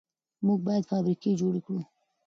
موږ باید فابریکې جوړې کړو.